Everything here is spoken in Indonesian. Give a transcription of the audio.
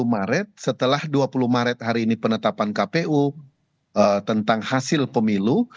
dua puluh maret setelah dua puluh maret hari ini penetapan kpu tentang hasil pemilu